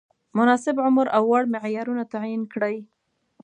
مناسب عمر او وړ معیارونه تعین کړي.